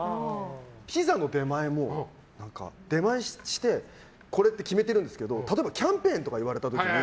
ピザの出前も出前してこれって決めてるんですけど例えばキャンペーンとか言われた時に